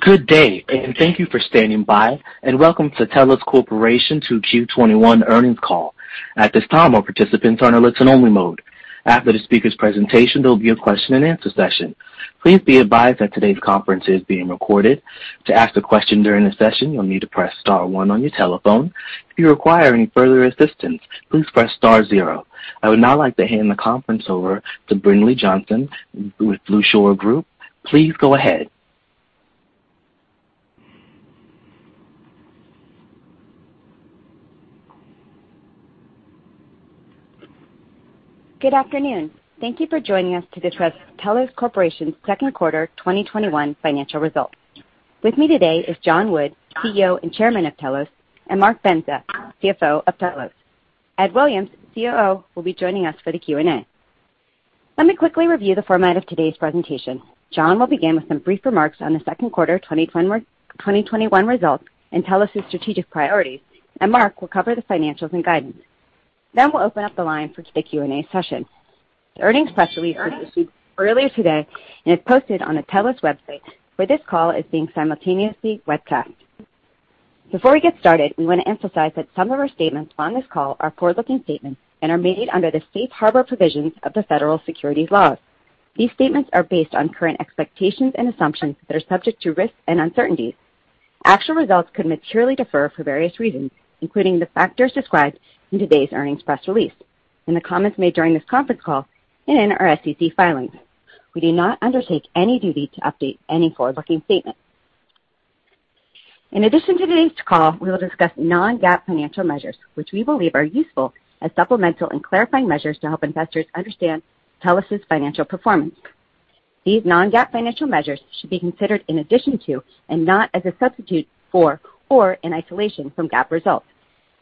Good day, and thank you for standing by. Welcome to Telos Corporation 2Q 2021 earnings call. At this time, all participants are put on listen-only mode. After the speaker's presentation, there will be a question-and-answer session. Please be advised that today's conference is being recorded. To ask a question, you'll need to press star one on your telephone. If you require any further assistance, please press star zero. I would now like to hand the conference over to Brinlea Johnson with The Blueshirt Group. Please go ahead. Good afternoon. Thank you for joining us to discuss Telos Corporation's second quarter 2021 financial results. With me today is John Wood, CEO and Chairman of Telos, and Mark Bendza, CFO of Telos. Ed Williams, COO, will be joining us for the Q&A. Let me quickly review the format of today's presentation. John will begin with some brief remarks on the second quarter 2021 results and Telos' strategic priorities, and Mark will cover the financials and guidance. Then we'll open up the line for today's Q&A session. The earnings press release was issued earlier today and is posted on the Telos website, where this call is being simultaneously webcast. Before we get started, we want to emphasize that some of our statements on this call are forward-looking statements and are made under the safe harbor provisions of the federal securities laws. These statements are based on current expectations and assumptions that are subject to risks and uncertainties. Actual results could materially differ for various reasons, including the factors described in today's earnings press release, in the comments made during this conference call, and in our SEC filings. We do not undertake any duty to update any forward-looking statement. In addition to today's call, we will discuss non-GAAP financial measures, which we believe are useful as supplemental and clarifying measures to help investors understand Telos' financial performance. These non-GAAP financial measures should be considered in addition to and not as a substitute for or in isolation from GAAP results.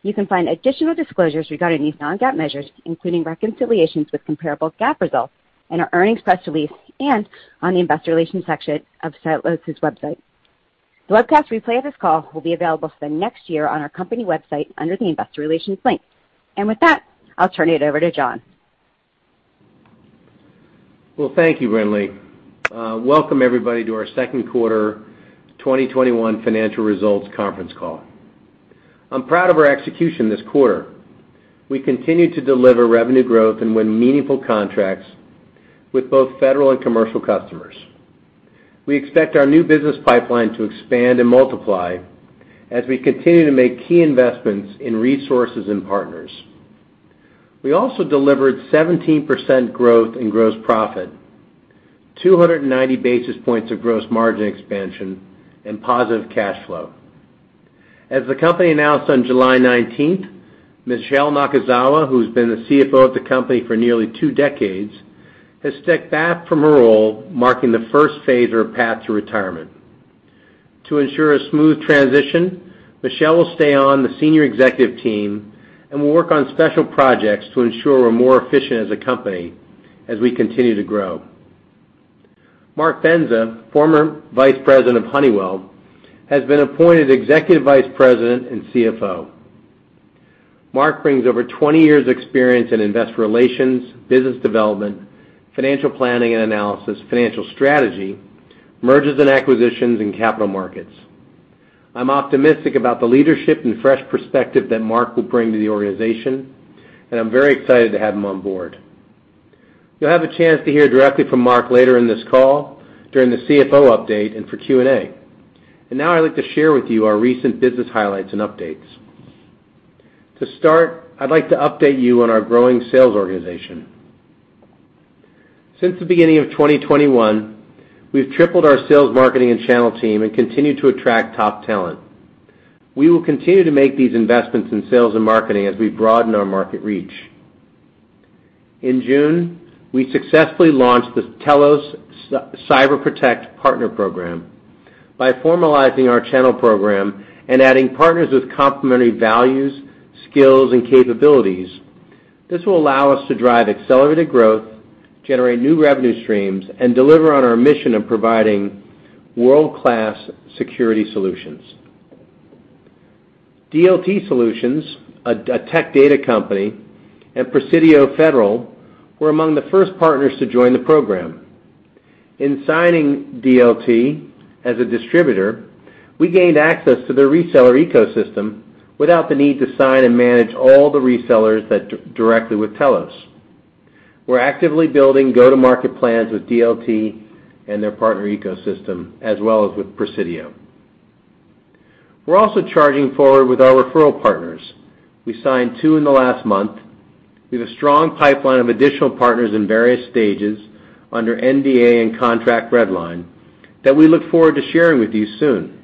You can find additional disclosures regarding these non-GAAP measures, including reconciliations with comparable GAAP results in our earnings press release and on the investor relations section of Telos' website. The webcast replay of this call will be available for the next year on our company website under the investor relations link. With that, I'll turn it over to John. Thank you, Brinlea. Welcome, everybody, to our second quarter 2021 financial results conference call. I'm proud of our execution this quarter. We continue to deliver revenue growth and win meaningful contracts with both federal and commercial customers. We expect our new business pipeline to expand and multiply as we continue to make key investments in resources and partners. We also delivered 17% growth in gross profit, 290 basis points of gross margin expansion, and positive cash flow. As the company announced on July 19th, Michele Nakazawa, who's been the CFO of the company for nearly two decades, has stepped back from her role, marking the first phase of her path to retirement. To ensure a smooth transition, Michele will stay on the senior executive team and will work on special projects to ensure we're more efficient as a company as we continue to grow. Mark Bendza, former Vice President of Honeywell, has been appointed Executive Vice President and CFO. Mark brings over 20 years of experience in investor relations, business development, financial planning and analysis, financial strategy, mergers and acquisitions, and capital markets. I'm optimistic about the leadership and fresh perspective that Mark will bring to the organization, and I'm very excited to have him on board. You'll have a chance to hear directly from Mark later in this call during the CFO update and for Q&A. Now I'd like to share with you our recent business highlights and updates. To start, I'd like to update you on our growing sales organization. Since the beginning of 2021, we've tripled our sales, marketing, and channel team, and continue to attract top talent. We will continue to make these investments in sales and marketing as we broaden our market reach. In June, we successfully launched the Telos CyberProtect Partner Program. By formalizing our channel program and adding partners with complementary values, skills, and capabilities, this will allow us to drive accelerated growth, generate new revenue streams, and deliver on our mission of providing world-class Security Solutions. DLT Solutions, a Tech Data company, and Presidio Federal were among the first partners to join the program. In signing DLT as a distributor, we gained access to their reseller ecosystem without the need to sign and manage all the resellers directly with Telos. We're actively building go-to-market plans with DLT and their partner ecosystem, as well as with Presidio. We're also charging forward with our referral partners. We signed two in the last month. We have a strong pipeline of additional partners in various stages under NDA and contract red line that we look forward to sharing with you soon.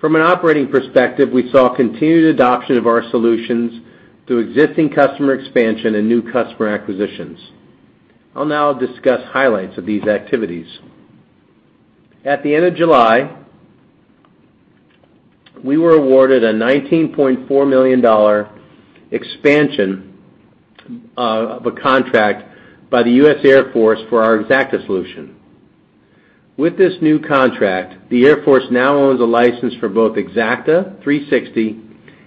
From an operating perspective, we saw continued adoption of our solutions through existing customer expansion and new customer acquisitions. I'll now discuss highlights of these activities. At the end of July, we were awarded a $19.4 million expansion of a contract by the U.S. Air Force for our Xacta solution. With this new contract, the Air Force now owns a license for both Xacta 360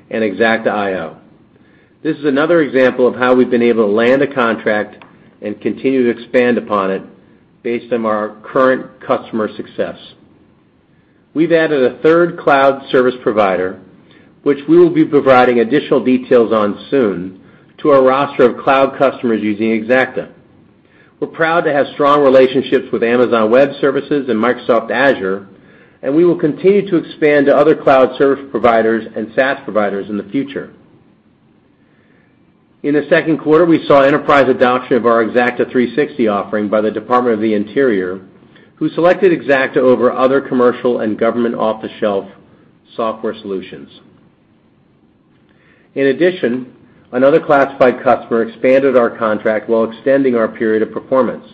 and Xacta.io. This is another example of how we've been able to land a contract and continue to expand upon it based on our current customer success. We've added a third cloud service provider, which we will be providing additional details on soon to our roster of cloud customers using Xacta. We're proud to have strong relationships with Amazon Web Services and Microsoft Azure, and we will continue to expand to other cloud service providers and SaaS providers in the future. In the second quarter, we saw enterprise adoption of our Xacta 360 offering by the Department of the Interior, who selected Xacta over other commercial and government off-the-shelf software solutions. In addition, another classified customer expanded our contract while extending our period of performance.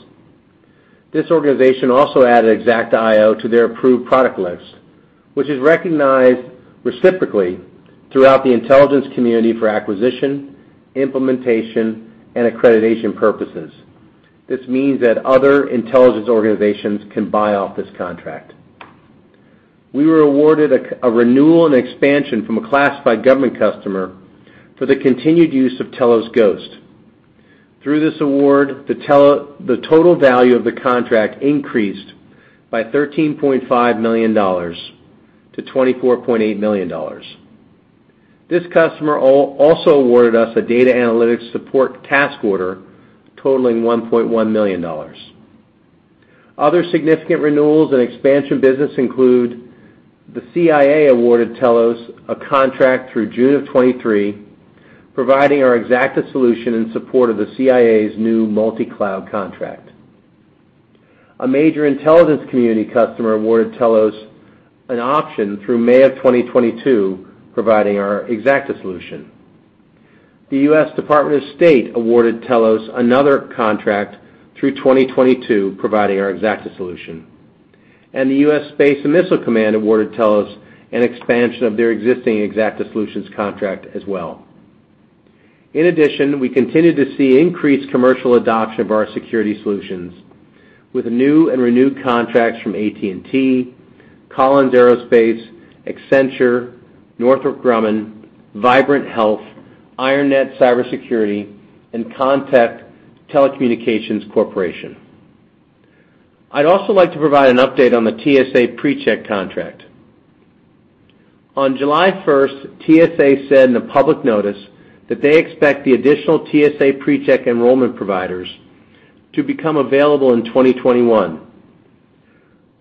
This organization also added Xacta.io to their approved product list, which is recognized reciprocally throughout the intelligence community for acquisition, implementation, and accreditation purposes. This means that other intelligence organizations can buy off this contract. We were awarded a renewal and expansion from a classified government customer for the continued use of Telos Ghost. Through this award, the total value of the contract increased by $13.5 million to $24.8 million. This customer also awarded us a data analytics support task order totaling $1.1 million. Other significant renewals and expansion business include the CIA awarded Telos a contract through June of 2023, providing our Xacta solution in support of the CIA's new multi-cloud contract. A major intelligence community customer awarded Telos an option through May of 2022, providing our Xacta solution. The U.S. Department of State awarded Telos another contract through 2022, providing our Xacta solution. The U.S. Space and Missile Command awarded Telos an expansion of their existing Xacta Solutions contract as well. In addition, we continue to see increased commercial adoption of our Security Solutions, with new and renewed contracts from AT&T, Collins Aerospace, Accenture, Northrop Grumman, Vibrent Health, IronNet Cybersecurity, and Comtech Telecommunications Corporation. I'd also like to provide an update on the TSA PreCheck contract. On July 1st, TSA said in a public notice that they expect the additional TSA PreCheck enrollment providers to become available in 2021.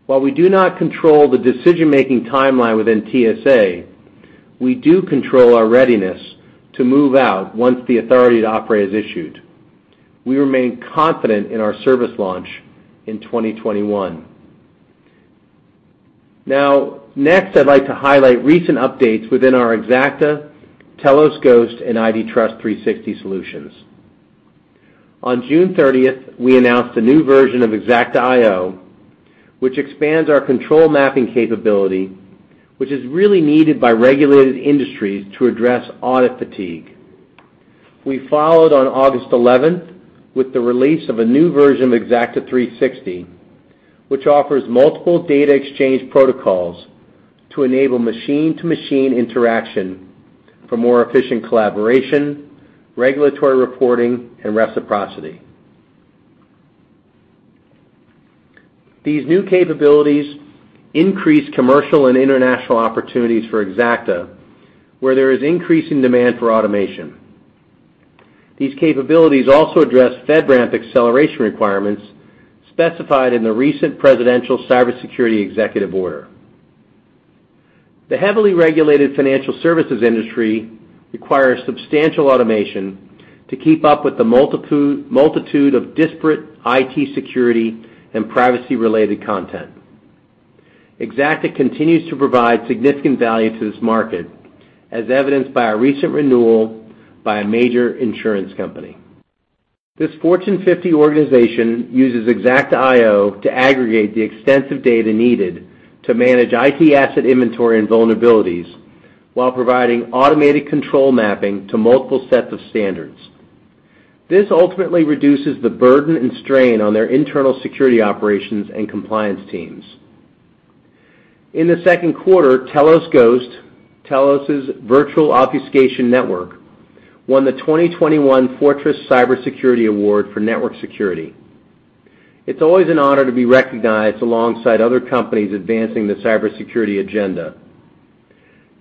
While we do not control the decision-making timeline within TSA, we do control our readiness to move out once the authority to operate is issued. We remain confident in our service launch in 2021. Next, I'd like to highlight recent updates within our Xacta, Telos Ghost, and IDTrust360 solutions. On June 30th, we announced a new version of Xacta.io, which expands our control mapping capability, which is really needed by regulated industries to address audit fatigue. We followed on August 11th with the release of a new version of Xacta 360, which offers multiple data exchange protocols to enable machine-to-machine interaction for more efficient collaboration, regulatory reporting, and reciprocity. These new capabilities increase commercial and international opportunities for Xacta, where there is increasing demand for automation. These capabilities also address FedRAMP acceleration requirements specified in the recent presidential cybersecurity executive order. The heavily regulated financial services industry requires substantial automation to keep up with the multitude of disparate IT security and privacy-related content. Xacta continues to provide significant value to this market, as evidenced by a recent renewal by a major insurance company. This Fortune 50 organization uses Xacta.io to aggregate the extensive data needed to manage IT asset inventory and vulnerabilities while providing automated control mapping to multiple sets of standards. This ultimately reduces the burden and strain on their internal security operations and compliance teams. In the second quarter, Telos Ghost, Telos' virtual obfuscation network, won the 2021 Fortress Cyber Security Award for network security. It's always an honor to be recognized alongside other companies advancing the cybersecurity agenda.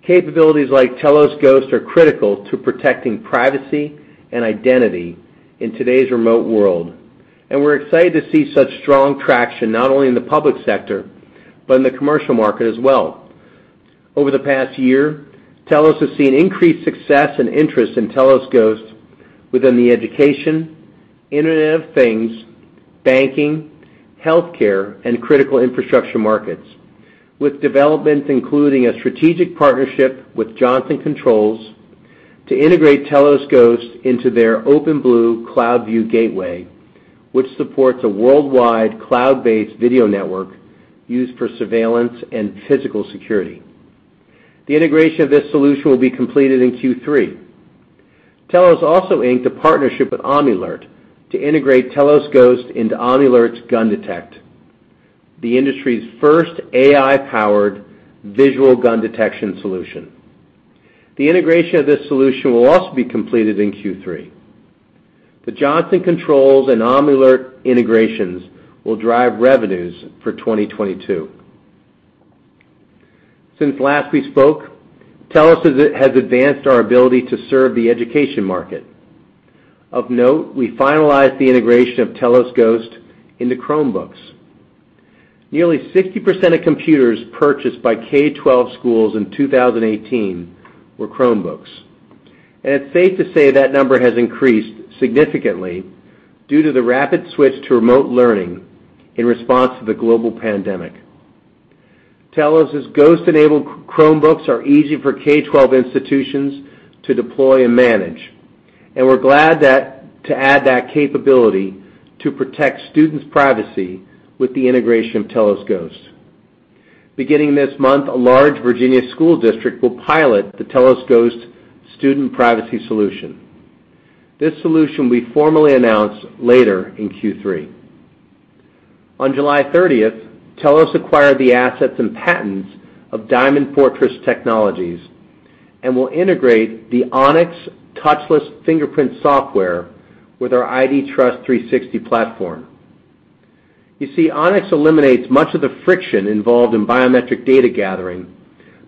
Capabilities like Telos Ghost are critical to protecting privacy and identity in today's remote world, and we're excited to see such strong traction, not only in the public sector, but in the commercial market as well. Over the past year, Telos has seen increased success and interest in Telos Ghost within the education, Internet of Things, banking, healthcare, and critical infrastructure markets, with developments including a strategic partnership with Johnson Controls to integrate Telos Ghost into their OpenBlue Cloudvue Gateway, which supports a worldwide cloud-based video network used for surveillance and physical security. The integration of this solution will be completed in Q3. Telos also inked a partnership with Omnilert to integrate Telos Ghost into Omnilert's Gun Detect, the industry's first AI-powered visual gun detection solution. The integration of this solution will also be completed in Q3. The Johnson Controls and Omnilert integrations will drive revenues for 2022. Since last we spoke, Telos has advanced our ability to serve the education market. Of note, we finalized the integration of Telos Ghost into Chromebooks. Nearly 60% of computers purchased by K-12 schools in 2018 were Chromebooks, and it's safe to say that number has increased significantly due to the rapid switch to remote learning in response to the global pandemic. Telos Ghost-enabled Chromebooks are easy for K-12 institutions to deploy and manage, and we're glad to add that capability to protect students' privacy with the integration of Telos Ghost. Beginning this month, a large Virginia school district will pilot the Telos Ghost student privacy solution. This solution will be formally announced later in Q3. On July 30th, Telos acquired the assets and patents of Diamond Fortress Technologies and will integrate the ONYX touchless fingerprint software with our IDTrust360 platform. You see, ONYX eliminates much of the friction involved in biometric data gathering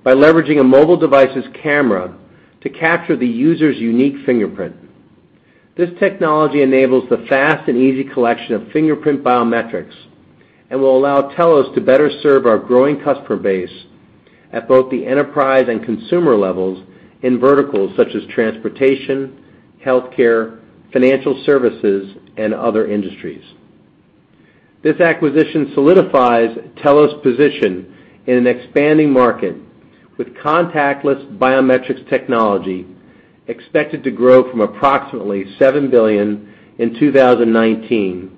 by leveraging a mobile device's camera to capture the user's unique fingerprint. This technology enables the fast and easy collection of fingerprint biometrics and will allow Telos to better serve our growing customer base at both the enterprise and consumer levels in verticals such as transportation, healthcare, financial services, and other industries. This acquisition solidifies Telos' position in an expanding market, with contactless biometrics technology expected to grow from approximately $7 billion in 2019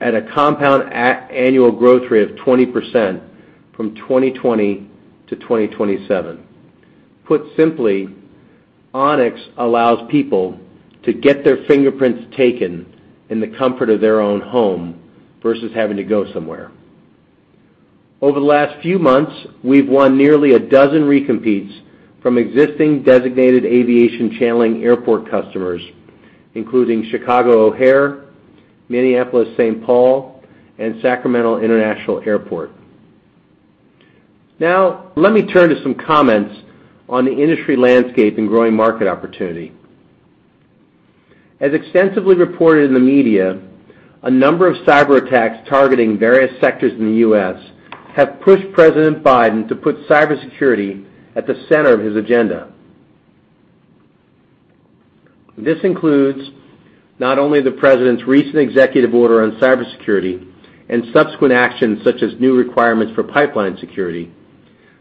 at a compound annual growth rate of 20% from 2020 to 2027. Put simply, ONYX allows people to get their fingerprints taken in the comfort of their own home versus having to go somewhere. Over the last few months, we've won nearly a dozen recompetes from existing Designated Aviation Channeling airport customers, including Chicago O'Hare, Minneapolis-Saint Paul, and Sacramento International Airport. Now, let me turn to some comments on the industry landscape and growing market opportunity. As extensively reported in the media, a number of cyberattacks targeting various sectors in the U.S. have pushed President Biden to put cybersecurity at the center of his agenda. This includes not only the president's recent executive order on cybersecurity and subsequent actions such as new requirements for pipeline security,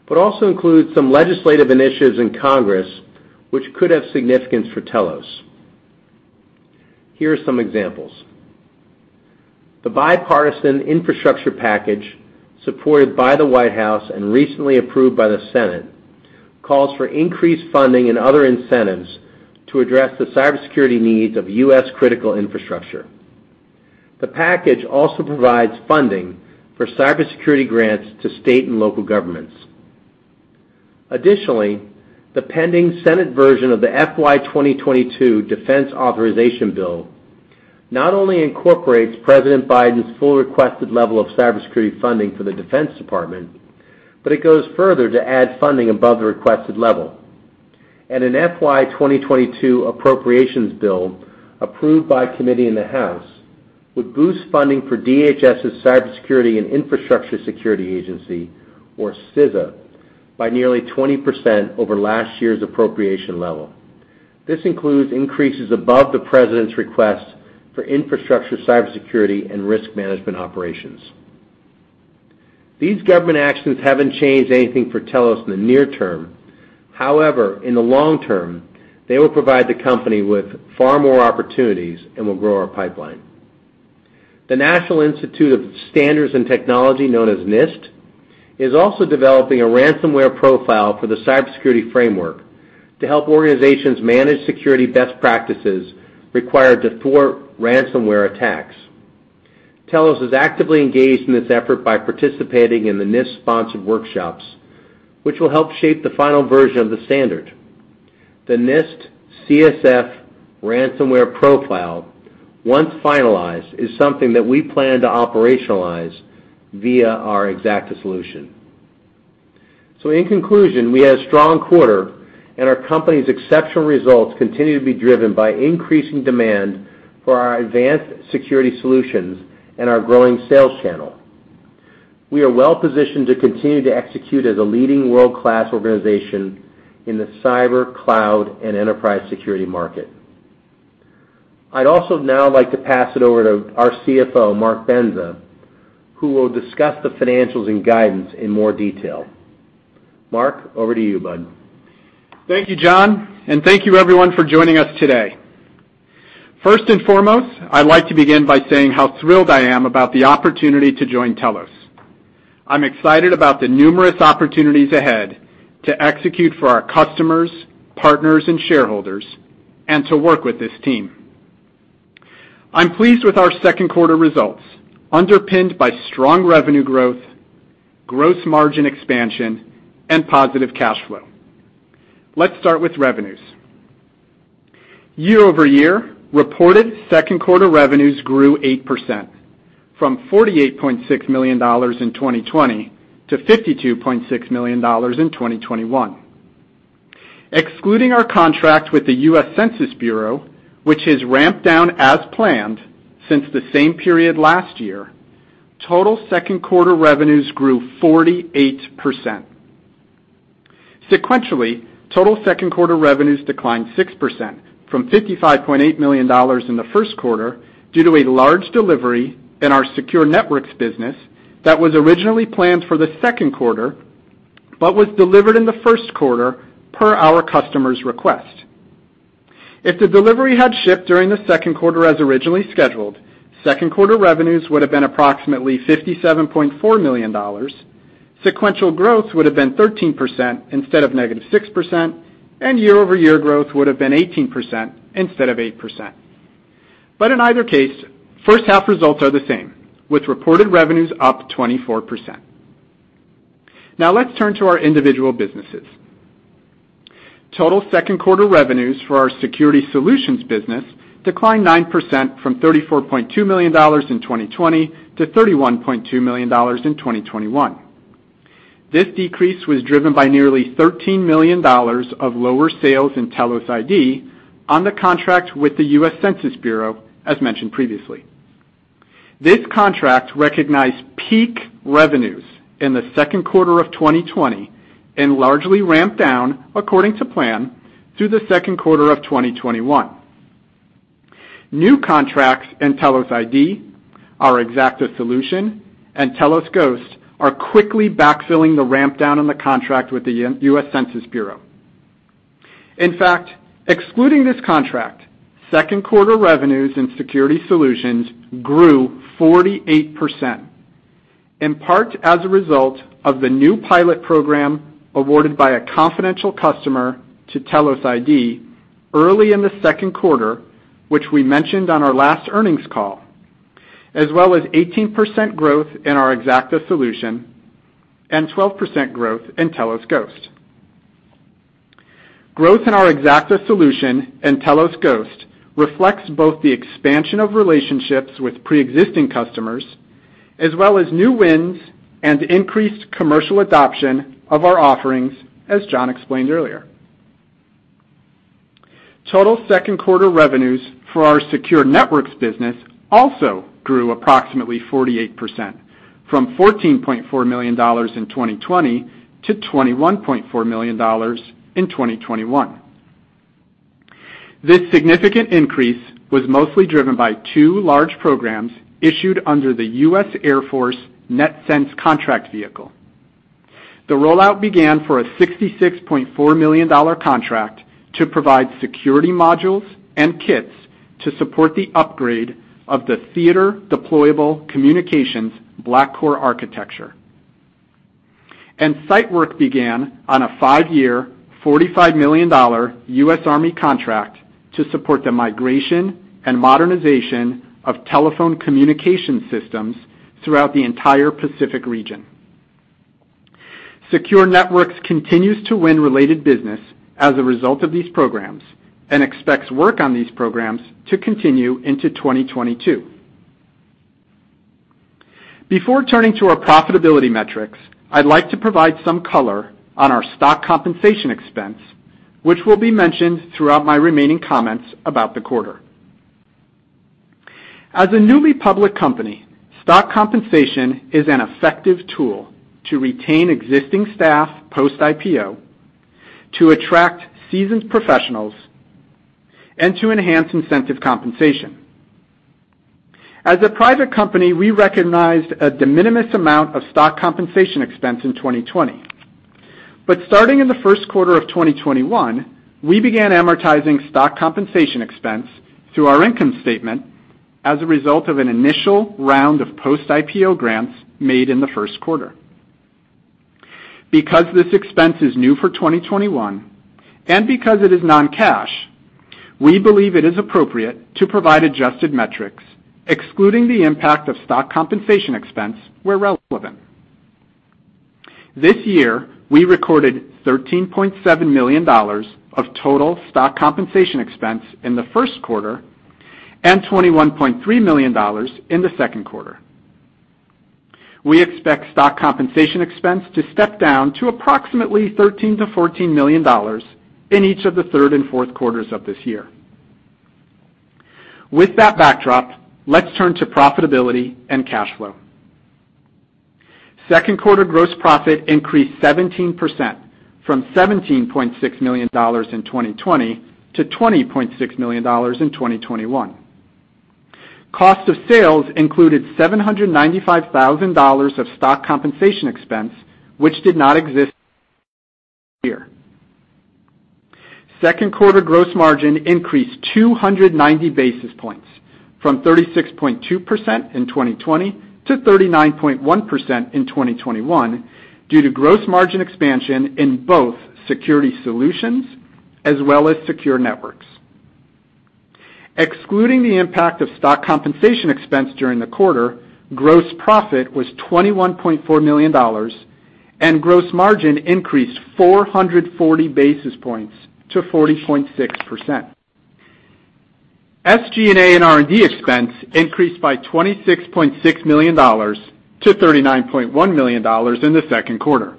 but also includes some legislative initiatives in Congress, which could have significance for Telos. Here are some examples. The bipartisan infrastructure package, supported by the White House and recently approved by the Senate, calls for increased funding and other incentives to address the cybersecurity needs of U.S. critical infrastructure. The package also provides funding for cybersecurity grants to state and local governments. Additionally, the pending Senate version of the FY 2022 Defense Authorization Bill not only incorporates President Biden's full requested level of cybersecurity funding for the Defense Department, but it goes further to add funding above the requested level. An FY 2022 appropriations bill approved by a committee in the House would boost funding for DHS's Cybersecurity and Infrastructure Security Agency, or CISA, by nearly 20% over last year's appropriation level. This includes increases above the president's request for infrastructure cybersecurity and risk management operations. These government actions haven't changed anything for Telos in the near term. However, in the long term, they will provide the company with far more opportunities and will grow our pipeline. The National Institute of Standards and Technology, known as NIST, is also developing a ransomware profile for the cybersecurity framework to help organizations manage security best practices required to thwart ransomware attacks. Telos is actively engaged in this effort by participating in the NIST-sponsored workshops, which will help shape the final version of the standard. The NIST CSF ransomware profile, once finalized, is something that we plan to operationalize via our Xacta solution. In conclusion, we had a strong quarter, and our company's exceptional results continue to be driven by increasing demand for our advanced Security Solutions and our growing sales channel. We are well-positioned to continue to execute as a leading world-class organization in the cyber, cloud, and enterprise security market. I'd also now like to pass it over to our CFO, Mark Bendza, who will discuss the financials and guidance in more detail. Mark, over to you, bud. Thank you, John, and thank you, everyone, for joining us today. First and foremost, I'd like to begin by saying how thrilled I am about the opportunity to join Telos. I'm excited about the numerous opportunities ahead to execute for our customers, partners, and shareholders, and to work with this team. I'm pleased with our second quarter results, underpinned by strong revenue growth, gross margin expansion, and positive cash flow. Let's start with revenues. Year-over-year, reported second quarter revenues grew 8%, from $48.6 million in 2020 to $52.6 million in 2021. Excluding our contract with the US Census Bureau, which has ramped down as planned since the same period last year, total second quarter revenues grew 48%. Sequentially, total second quarter revenues declined 6% from $55.8 million in the first quarter due to a large delivery in our Secure Networks business that was originally planned for the second quarter, but was delivered in the first quarter per our customer's request. If the delivery had shipped during the second quarter as originally scheduled, second quarter revenues would have been approximately $57.4 million, sequential growth would have been 13% instead of -6%, and year-over-year growth would have been 18% instead of 8%. In either case, first half results are the same, with reported revenues up 24%. Let's turn to our individual businesses. Total second quarter revenues for our Security Solutions business declined 9% from $34.2 million in 2020 to $31.2 million in 2021. This decrease was driven by nearly $13 million of lower sales in Telos ID on the contract with the US Census Bureau, as mentioned previously. This contract recognized peak revenues in the second quarter of 2020 and largely ramped down according to plan through the second quarter of 2021. New contracts in Telos ID, our Xacta solution, and Telos Ghost are quickly backfilling the ramp down on the contract with the US Census Bureau. In fact, excluding this contract, second quarter revenues and Security Solutions grew 48%, in part as a result of the new pilot program awarded by a confidential customer to Telos ID early in the second quarter, which we mentioned on our last earnings call, as well as 18% growth in our Xacta solution and 12% growth in Telos Ghost. Growth in our Xacta solution and Telos Ghost reflects both the expansion of relationships with preexisting customers, as well as new wins and increased commercial adoption of our offerings, as John explained earlier. Total second quarter revenues for our Secure Networks business also grew approximately 48%, from $14.4 million in 2020 to $21.4 million in 2021. This significant increase was mostly driven by two large programs issued under the US Air Force NETCENTS-2 contract vehicle. The rollout began for a $66.4 million contract to provide security modules and kits to support the upgrade of the Theater Deployable Communications Black Core architecture. Site work began on a five-year, $45 million US Army contract to support the migration and modernization of telephone communication systems throughout the entire Pacific region. Secure Networks continues to win related business as a result of these programs and expects work on these programs to continue into 2022. Before turning to our profitability metrics, I'd like to provide some color on our stock compensation expense, which will be mentioned throughout my remaining comments about the quarter. As a newly public company, stock compensation is an effective tool to retain existing staff post-IPO, to attract seasoned professionals, and to enhance incentive compensation. As a private company, we recognized a de minimis amount of stock compensation expense in 2020. Starting in the first quarter of 2021, we began amortizing stock compensation expense through our income statement as a result of an initial round of post-IPO grants made in the first quarter. Because this expense is new for 2021, and because it is non-cash, we believe it is appropriate to provide adjusted metrics excluding the impact of stock compensation expense where relevant. This year, we recorded $13.7 million of total stock compensation expense in the first quarter and $21.3 million in the second quarter. We expect stock compensation expense to step down to approximately $13 million-$14 million in each of the third and fourth quarters of this year. With that backdrop, let's turn to profitability and cash flow. Second quarter gross profit increased 17%, from $17.6 million in 2020 to $20.6 million in 2021. Cost of sales included $795,000 of stock compensation expense, which did not exist last year. Second quarter gross margin increased 290 basis points from 36.2% in 2020 to 39.1% in 2021 due to gross margin expansion in both Security Solutions, as well as, Secure Networks. Excluding the impact of stock compensation expense during the quarter, gross profit was $21.4 million, and gross margin increased 440 basis points to 40.6%. SG&A and R&D expense increased by $26.6 million to $39.1 million in the second quarter.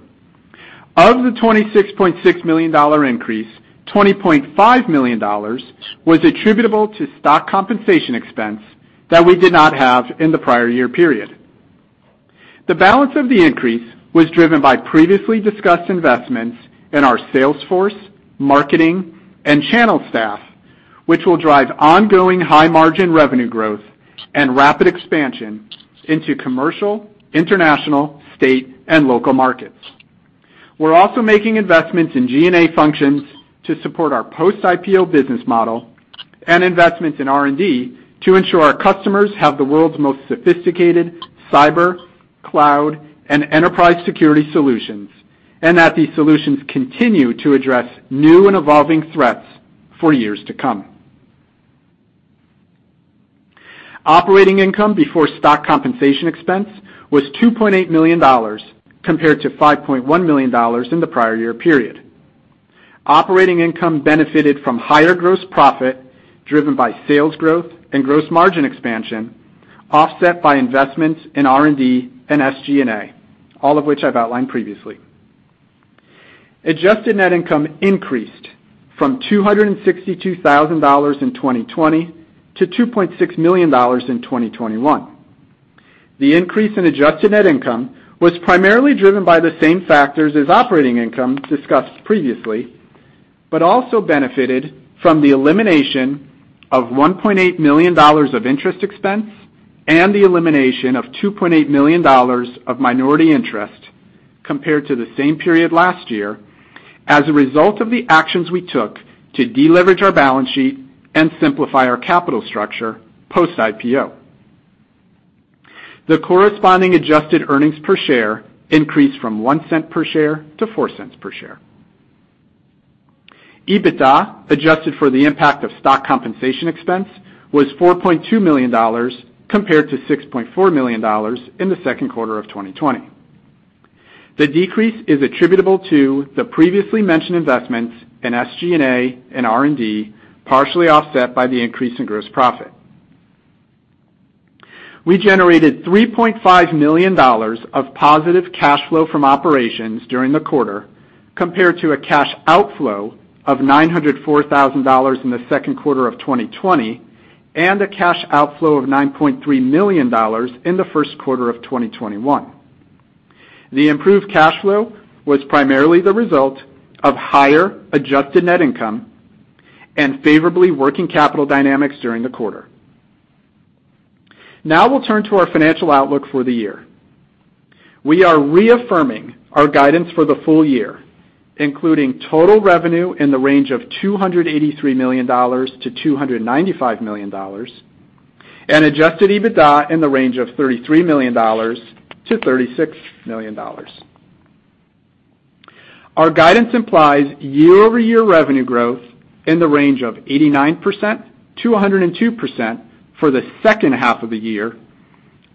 Of the $26.6 million increase, $20.5 million was attributable to stock compensation expense that we did not have in the prior year period. The balance of the increase was driven by previously discussed investments in our sales force, marketing, and channel staff, which will drive ongoing high-margin revenue growth and rapid expansion into commercial, international, state, and local markets. We're also making investments in G&A functions to support our post-IPO business model and investments in R&D to ensure our customers have the world's most sophisticated cyber, cloud, and enterprise security solutions, and that these solutions continue to address new and evolving threats for years to come. Operating income before stock compensation expense was $2.8 million compared to $5.1 million in the prior year period. Operating income benefited from higher gross profit driven by sales growth and gross margin expansion, offset by investments in R&D and SG&A, all of which I've outlined previously. Adjusted net income increased from $262,000 in 2020 to $2.6 million in 2021. The increase in adjusted net income was primarily driven by the same factors as operating income discussed previously, also benefited from the elimination of $1.8 million of interest expense and the elimination of $2.8 million of minority interest compared to the same period last year as a result of the actions we took to deleverage our balance sheet and simplify our capital structure post-IPO. The corresponding adjusted earnings per share increased from $0.01 per share to $0.04 per share. EBITDA, adjusted for the impact of stock compensation expense, was $4.2 million compared to $6.4 million in the second quarter of 2020. The decrease is attributable to the previously mentioned investments in SG&A and R&D, partially offset by the increase in gross profit. We generated $3.5 million of positive cash flow from operations during the quarter, compared to a cash outflow of $904,000 in the second quarter of 2020 and a cash outflow of $9.3 million in the first quarter of 2021. The improved cash flow was primarily the result of higher adjusted net income and favorably working capital dynamics during the quarter. Now we'll turn to our financial outlook for the year. We are reaffirming our guidance for the full year, including total revenue in the range of $283 million-$295 million and adjusted EBITDA in the range of $33 million-$36 million. Our guidance implies year-over-year revenue growth in the range of 89%-102% for the second half of the year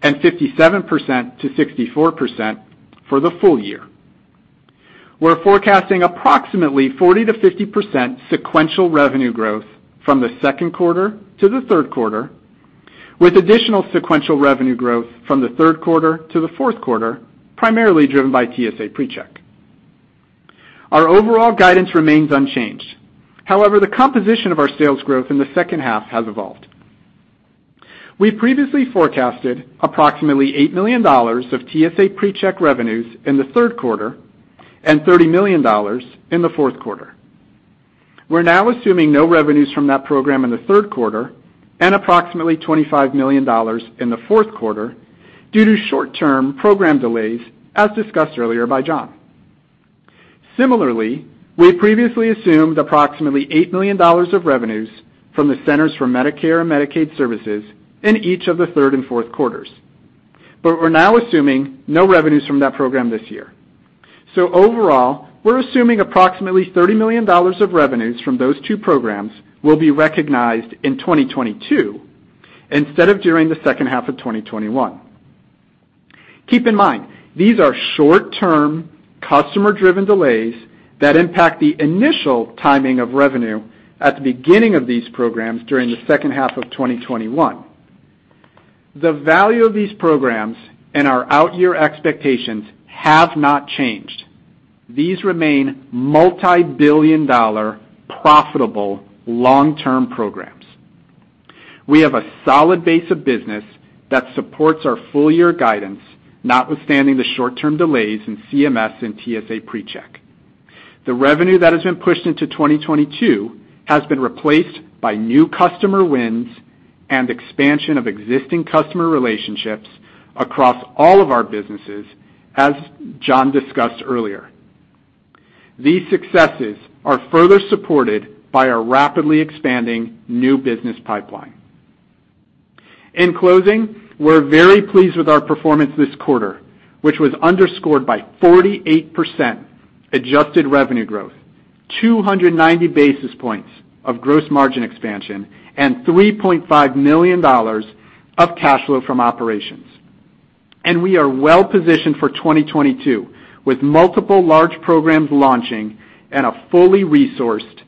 and 57%-64% for the full year. We're forecasting approximately 40%-50% sequential revenue growth from the second quarter to the third quarter, with additional sequential revenue growth from the third quarter to the fourth quarter, primarily driven by TSA PreCheck. Our overall guidance remains unchanged. However, the composition of our sales growth in the second half has evolved. We previously forecasted approximately $8 million of TSA PreCheck revenues in the third quarter and $30 million in the fourth quarter. We're now assuming no revenues from that program in the third quarter and approximately $25 million in the fourth quarter due to short-term program delays, as discussed earlier by John. Similarly, we previously assumed approximately $8 million of revenues from the Centers for Medicare and Medicaid Services in each of the third and fourth quarters, but we're now assuming no revenues from that program this year. Overall, we're assuming approximately $30 million of revenues from those two programs will be recognized in 2022 instead of during the second half of 2021. Keep in mind, these are short-term, customer-driven delays that impact the initial timing of revenue at the beginning of these programs during the second half of 2021. The value of these programs and our out-year expectations have not changed. These remain multi-billion-dollar, profitable, long-term programs. We have a solid base of business that supports our full-year guidance, notwithstanding the short-term delays in CMS and TSA PreCheck. The revenue that has been pushed into 2022 has been replaced by new customer wins and expansion of existing customer relationships across all of our businesses, as John discussed earlier. These successes are further supported by our rapidly expanding new business pipeline. In closing, we're very pleased with our performance this quarter, which was underscored by 48% adjusted revenue growth, 290 basis points of gross margin expansion, and $3.5 million of cash flow from operations. We are well-positioned for 2022, with multiple large programs launching and a fully resourced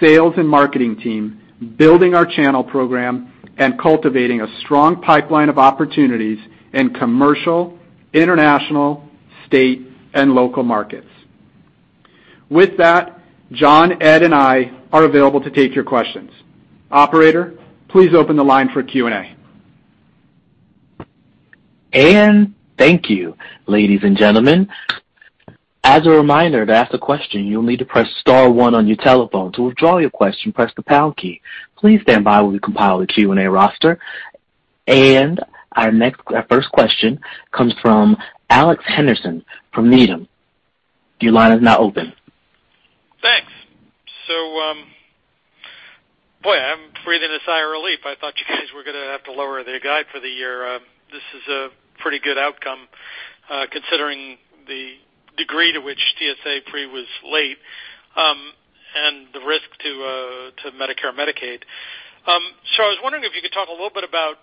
sales and marketing team building our channel program and cultivating a strong pipeline of opportunities in commercial, international, state, and local markets. With that, John, Ed, and I are available to take your questions. Operator, please open the line for Q&A. Thank you, ladies and gentlemen. As a reminder, to ask a question, you'll need to press star one on your telephone. To withdraw your question, press the pound key. Please stand by while we compile the Q&A roster. Our first question comes from Alex Henderson from Needham. Your line is now open. Thanks. Boy, I'm breathing a sigh of relief. I thought you guys were going to have to lower the guide for the year. This is a pretty good outcome, considering the degree to which TSA PreCheck was late and the risk to Medicare and Medicaid. I was wondering if you could talk a little bit about.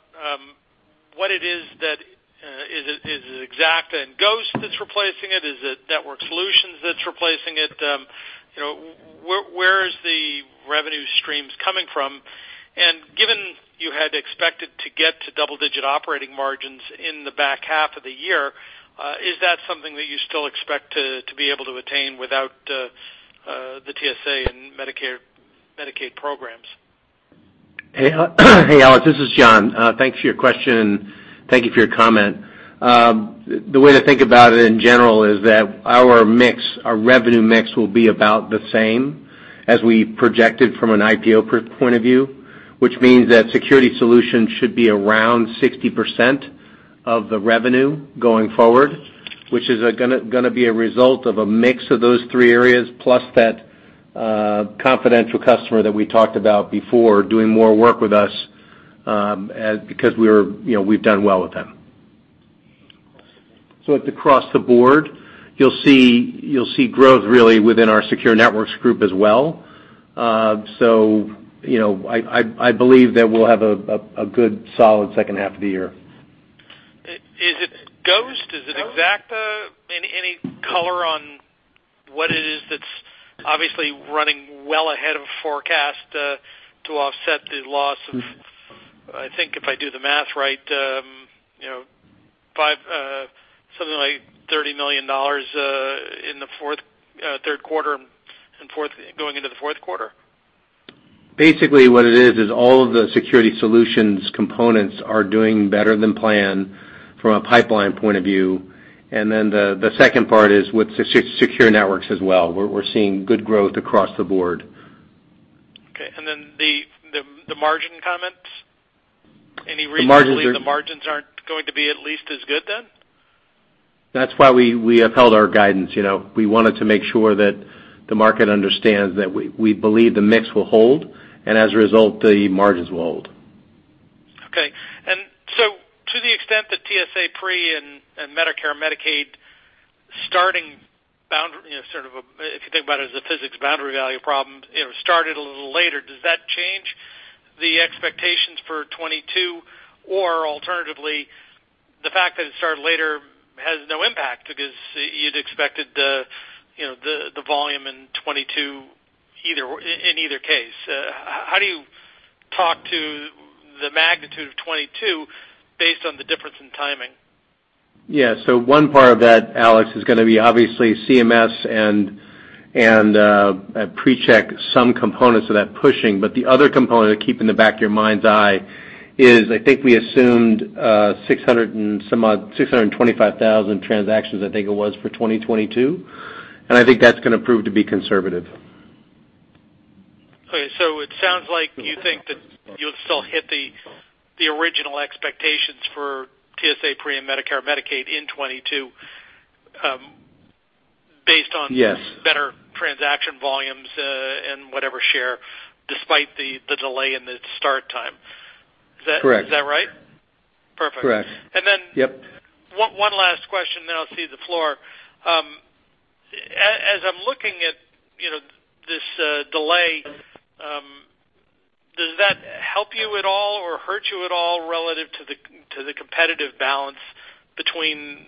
Is it Xacta and Ghost that's replacing it? Is it Network Solutions that's replacing it? Where is the revenue streams coming from? Given you had expected to get to double-digit operating margins in the back half of the year, is that something that you still expect to be able to attain without the TSA and Medicare Medicaid programs? Hey, Alex. This is John. Thanks for your question and thank you for your comment. The way to think about it in general is that our revenue mix will be about the same as we projected from an IPO point of view, which means that Security Solutions should be around 60% of the revenue going forward, which is going to be a result of a mix of those three areas, plus that confidential customer that we talked about before doing more work with us, because we've done well with them. Across the board, you'll see growth really within our Secure Networks group as well. I believe that we'll have a good, solid second half of the year. Is it Ghost? Is it Xacta? Any color on what it is that's obviously running well ahead of forecast to offset the loss of, I think if I do the math right, something like $30 million in the third quarter and going into the fourth quarter? Basically, what it is all of the Security Solutions components are doing better than planned from a pipeline point of view. The second part is with Secure Networks as well. We're seeing good growth across the board. Okay. Then the margin comments, any reason- The margins are- To believe the margins aren't going to be at least as good then? That's why we have held our guidance. We wanted to make sure that the market understands that we believe the mix will hold, and as a result, the margins will hold. To the extent that TSA PreCheck and Medicare Medicaid, if you think about it as a physics boundary value problem, started a little later, does that change the expectations for 2022? Alternatively, the fact that it started later has no impact because you'd expected the volume in 2022 in either case. How do you talk to the magnitude of 2022 based on the difference in timing? One part of that, Alex, is going to be obviously CMS and PreCheck, some components of that pushing. The other component to keep in the back of your mind's eye is, I think we assumed 625,000 transactions, I think it was for 2022. I think that's going to prove to be conservative. Okay. It sounds like you think that you'll still hit the original expectations for TSA PreCheck and Medicare Medicaid in 2022 based on- Yes. Better transaction volumes, and whatever share, despite the delay in the start time. Is that- Correct. Is that right? Perfect. Correct. And then- Yep. One last question, then I'll cede the floor. As I'm looking at this delay, does that help you at all or hurt you at all relative to the competitive balance between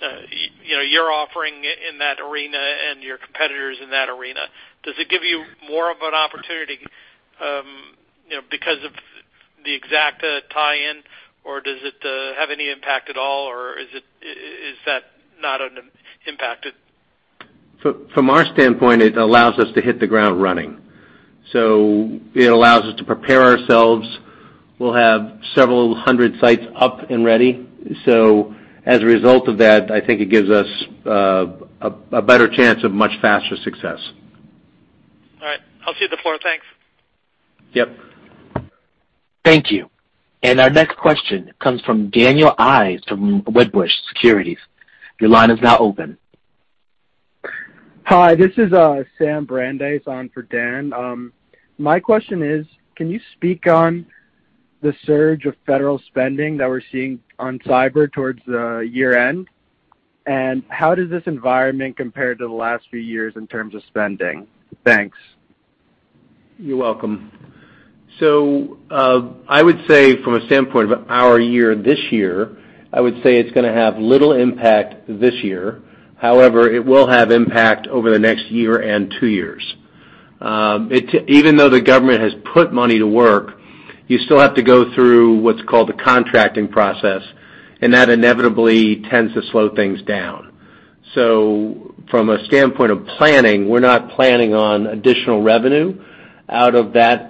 your offering in that arena and your competitors in that arena? Does it give you more of an opportunity because of the Xacta tie-in, or does it have any impact at all, or is that not impacted? From our standpoint, it allows us to hit the ground running. It allows us to prepare ourselves. We'll have several hundred sites up and ready. As a result of that, I think it gives us a better chance of much faster success. All right. I'll cede the floor. Thanks. Yep. Thank you. Our next question comes from Daniel Ives from Wedbush Securities. Your line is now open. Hi, this is Sam Brandeis on for Dan. My question is, can you speak on the surge of federal spending that we're seeing on cyber towards the year-end? How does this environment compare to the last few years in terms of spending? Thanks. You're welcome. I would say from a standpoint of our year this year, I would say it's going to have little impact this year. However, it will have impact over the next year and two years. Even though the government has put money to work, you still have to go through what's called the contracting process, and that inevitably tends to slow things down. From a standpoint of planning, we're not planning on additional revenue out of that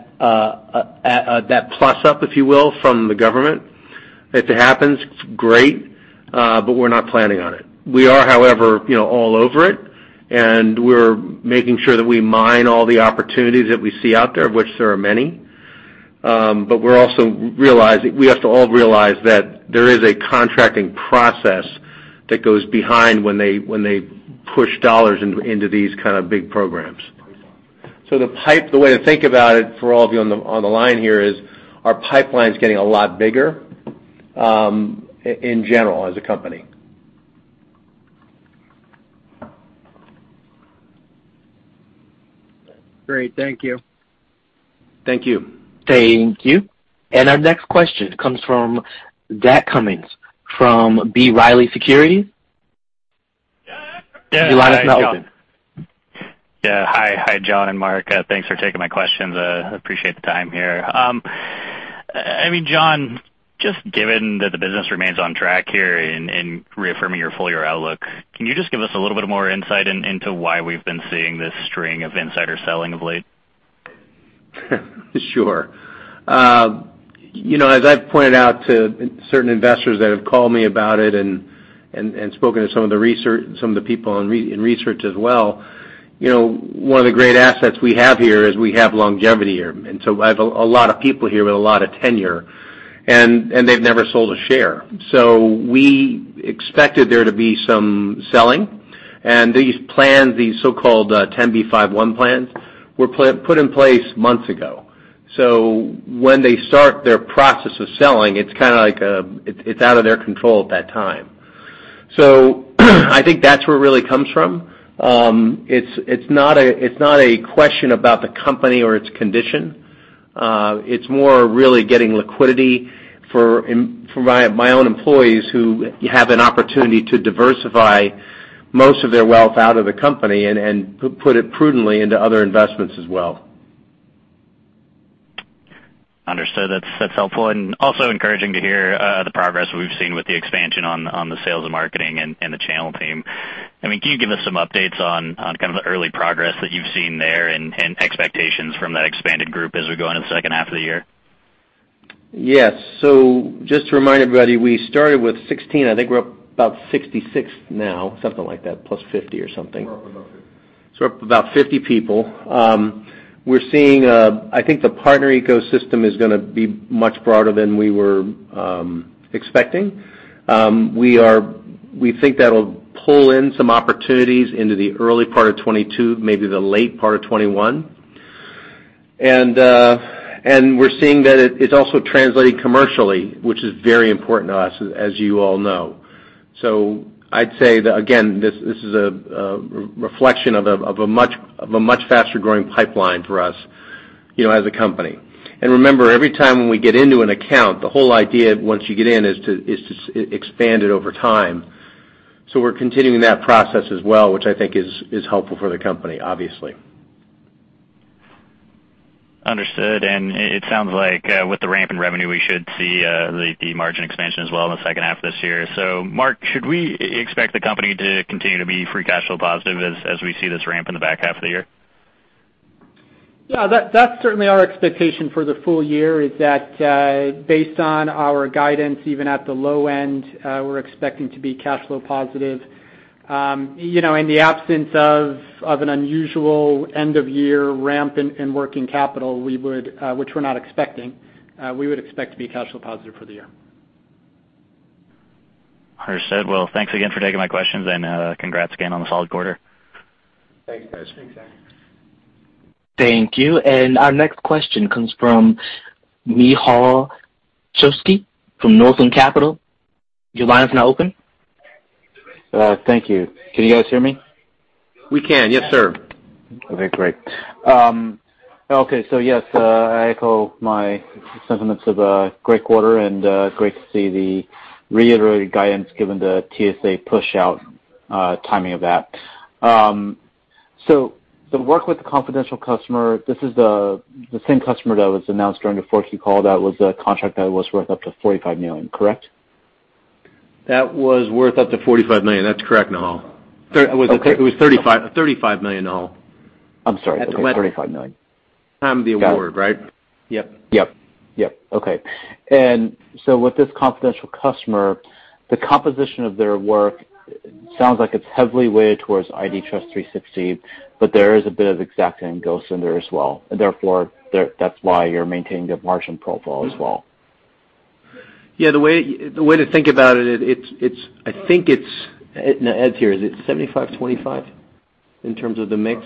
plus-up, if you will, from the government. If it happens, great, but we're not planning on it. We are, however, all over it, and we're making sure that we mine all the opportunities that we see out there, of which there are many. We have to all realize that there is a contracting process that goes behind when they push dollars into these kinds of big programs. The way to think about it for all of you on the line here is our pipeline's getting a lot bigger, in general, as a company. Great. Thank you. Thank you. Thank you. Our next question comes from Zach Cummins from B. Riley Securities. Your line is now open. Yeah. Hi, John and Mark. Thanks for taking my questions. Appreciate the time here. John, just given that the business remains on track here in reaffirming your full-year outlook, can you just give us a little bit more insight into why we've been seeing this string of insider selling of late? Sure. As I've pointed out to certain investors that have called me about it and spoken to some of the people in research as well, one of the great assets we have here is we have longevity here. I have a lot of people here with a lot of tenure, and they've never sold a share. We expected there to be some selling, and these plans, these so-called 10b5-1 plans, were put in place months ago. When they start their process of selling, it's out of their control at that time. I think that's where it really comes from. It's not a question about the company or its condition. It's more really getting liquidity for my own employees who have an opportunity to diversify most of their wealth out of the company and put it prudently into other investments as well. Understood. That's helpful and also encouraging to hear the progress we've seen with the expansion on the sales and marketing and the channel team. Can you give us some updates on kind of the early progress that you've seen there and expectations from that expanded group as we go into the second half of the year? Yes. Just to remind everybody, we started with 16. I think we're up about 66 now, something like that, plus 50 or something. We're up about 50 people. Up about 50 people. I think the partner ecosystem is gonna be much broader than we were expecting. We think that'll pull in some opportunities into the early part of 2022, maybe the late part of 2021. We're seeing that it's also translating commercially, which is very important to us, as you all know. I'd say that, again, this is a reflection of a much faster-growing pipeline for us as a company. Remember, every time when we get into an account, the whole idea once you get in is to expand it over time. We're continuing that process as well, which I think is helpful for the company, obviously. Understood. It sounds like with the ramp in revenue, we should see the margin expansion as well in the second half of this year. Mark, should we expect the company to continue to be free cash flow positive as we see this ramp in the back half of the year? That's certainly our expectation for the full year, is that based on our guidance, even at the low end, we're expecting to be cash flow positive. In the absence of an unusual end-of-year ramp in working capital, which we're not expecting, we would expect to be cash flow positive for the year. Understood. Well, thanks again for taking my questions, and congrats again on the solid quarter. Thanks, Zach. Thanks. Thank you. Our next question comes from Nehal Chokshi from Northland Capital. Your line is now open. Thank you. Can you guys hear me? We can. Yes, sir. Okay, great. Okay. Yes, I echo my sentiments of a great quarter and great to see the reiterated guidance given the TSA pushout timing of that. The work with the confidential customer, this is the same customer that was announced during the 4Q call that was a contract that was worth up to $45 million, correct? That was worth up to $45 million. That's correct, Nehal. It was $35 million, Nehal. I'm sorry. Okay, $35 million. And the award, right? Yep. Yep. Okay. With this confidential customer, the composition of their work sounds like it's heavily weighted towards IDTrust360, but there is a bit of Xacta and Ghost in there as well, and therefore, that's why you're maintaining the margin profile as well. The way to think about it, Ed's here. Is it 75/25 in terms of the mix,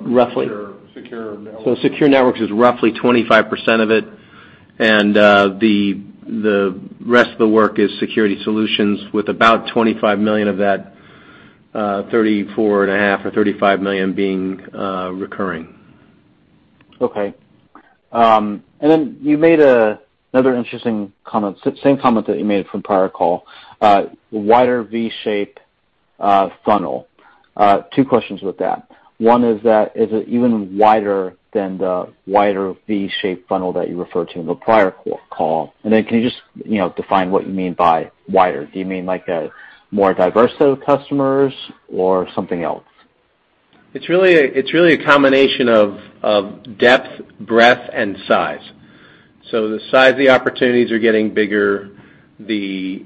roughly? Roughly Secure Networks. Secure Networks is roughly 25% of it. The rest of the work is Security Solutions with about $25 million of that, $34.5 million or $35 million being recurring. You made another interesting comment, same comment that you made from prior call, wider V-shape funnel. Two questions with that. One is that, is it even wider than the wider V-shape funnel that you referred to in the prior call? Can you just define what you mean by wider? Do you mean like a more diverse set of customers or something else? It's really a combination of depth, breadth, and size. The size of the opportunities are getting bigger. The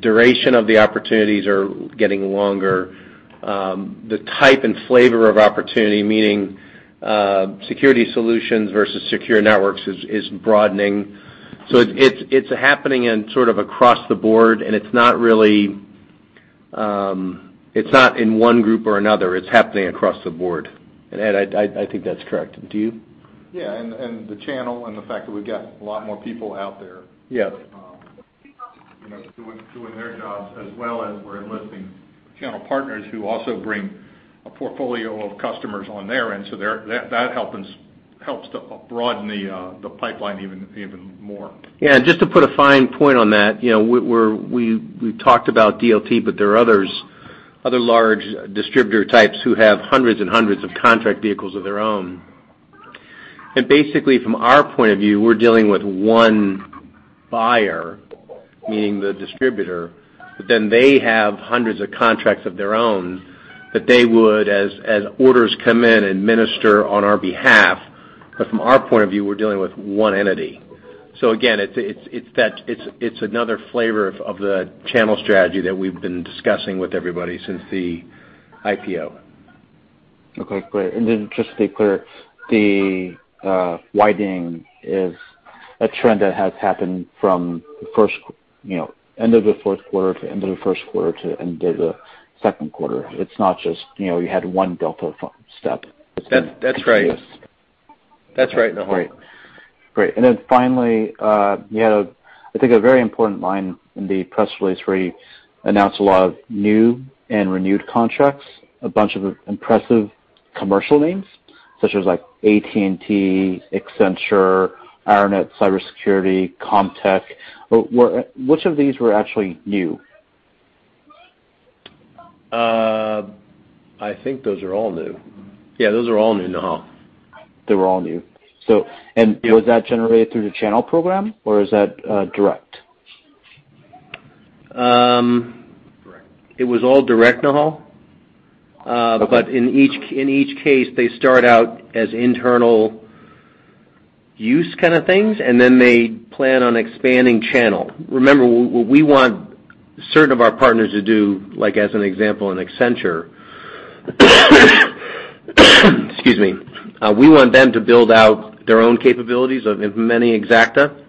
duration of the opportunities are getting longer. The type and flavor of opportunity, meaning Security Solutions versus Secure Networks, is broadening. It's happening in sort of across the board, and it's not in one group or another. It's happening across the board. Ed, I think that's correct. Do you? Yeah, the channel and the fact that we've got a lot more people out there- Yes. Doing their jobs as well as we're enlisting channel partners who also bring a portfolio of customers on their end. That helps to broaden the pipeline even more. Just to put a fine point on that, we talked about DLT, but there are other large distributor types who have hundreds and hundreds of contract vehicles of their own. Basically, from our point of view, we're dealing with one buyer, meaning the distributor, but then they have hundreds of contracts of their own that they would, as orders come in, administer on our behalf. From our point of view, we're dealing with one entity. Again, it's another flavor of the channel strategy that we've been discussing with everybody since the IPO. Okay, great. Just to be clear, the widening is a trend that has happened from end of the fourth quarter to end of the first quarter to end of the second quarter. It's not just you had one delta step. That's right. That's right, Nehal. Great. Finally, you had, I think, a very important line in the press release where you announced a lot of new and renewed contracts, a bunch of impressive commercial names, such as AT&T, Accenture, IronNet Cybersecurity, Comtech. Which of these were actually new? I think those are all new. Yeah, those are all new, Nehal. They were all new. Was that generated through the channel program, or is that direct? It was all direct, Nehal. Okay. In each case, they start out as internal-use kind of things, and then they plan on expanding the channel. Remember, what we want certain of our partners to do, like as an example, in Accenture, we want them to build out their own capabilities in Xacta,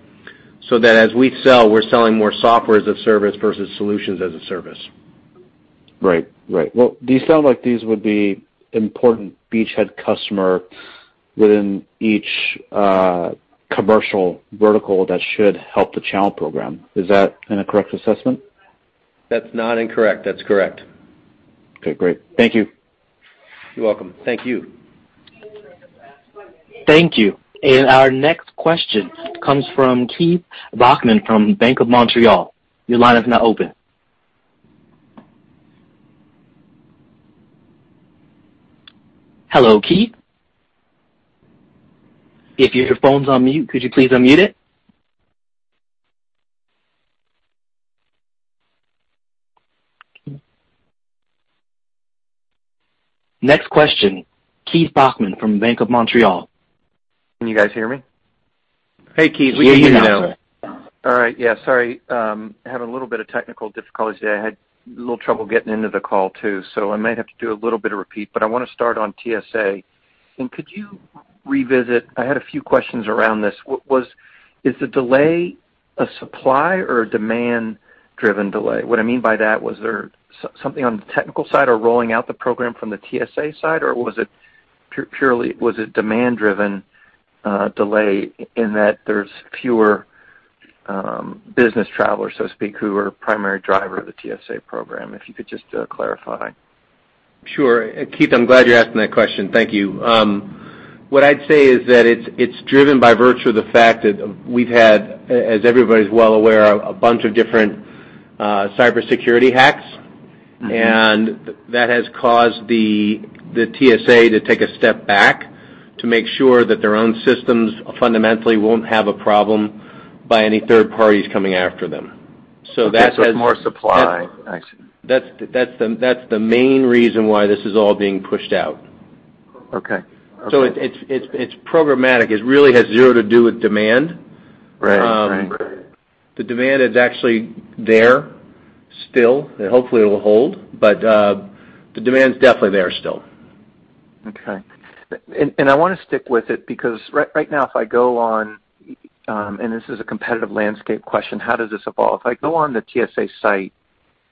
so that as we sell, we're selling more software as a service versus solutions as a service. Right. Well, these sound like these would be important beachhead customer within each commercial vertical that should help the channel program. Is that an incorrect assessment? That's not incorrect. That's correct. Okay, great. Thank you. You're welcome. Thank you. Thank you. Our next question comes from Keith Bachman from Bank of Montreal. Your line is now open. Hello, Keith. If your phone's on mute, could you please unmute it? Next question, Keith Bachman from Bank of Montreal. Can you guys hear me? Hey, Keith. We can hear you now. Yeah, we hear you now. All right. Yeah, sorry. Having a little bit of technical difficulties today. I had a little trouble getting into the call too. I might have to do a little bit of repeat, but I want to start on TSA. Could you revisit, I had a few questions around this. Is the delay a supply or a demand-driven delay? What I mean by that, was there something on the technical side or rolling out the program from the TSA side, or was it demand-driven delay in that there's fewer business travelers, so to speak, who are primary driver of the TSA program? If you could just clarify. Sure. Keith, I'm glad you're asking that question. Thank you. What I'd say is that it's driven by virtue of the fact that we've had, as everybody's well aware, a bunch of different cybersecurity hacks. That has caused the TSA to take a step back to make sure that their own systems fundamentally won't have a problem by any third parties coming after them. Okay. It's more supply. I see. That's the main reason why this is all being pushed out. Okay. It's programmatic. It really has zero to do with demand. Right. The demand is actually there still, and hopefully it'll hold, but the demand's definitely there still. Okay. I want to stick with it because right now, if I go on, and this is a competitive landscape question, how does this evolve? If I go on the TSA site,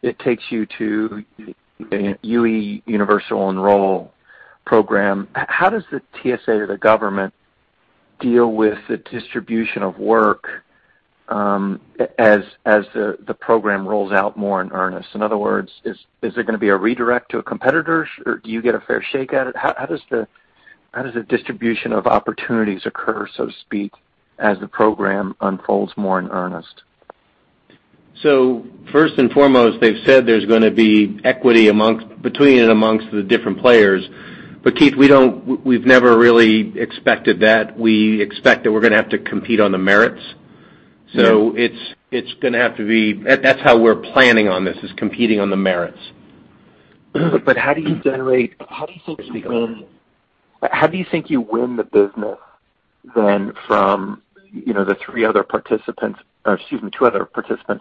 it takes you to the UE, Universal Enrollment program. How does the TSA or the government deal with the distribution of work as the program rolls out more in earnest? In other words, is there going to be a redirect to a competitor, or do you get a fair shake at it? How does the distribution of opportunities occur, so to speak, as the program unfolds more in earnest? First and foremost, they've said there's going to be equity between and amongst the different players. Keith, we've never really expected that. We expect that we're going to have to compete on the merits. Yeah. That's how we're planning on this, is competing on the merits. How do you think you win the business then from the two other participants